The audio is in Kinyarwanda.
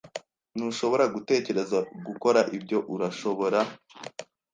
Ntushobora gutekereza gukora ibyo, urashobora?